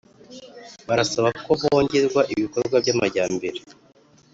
Barasaba ko hongerwa ibikorwa by’ amajyambere